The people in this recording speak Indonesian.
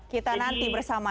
kita nanti bersama ya